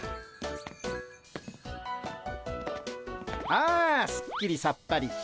あすっきりさっぱりした。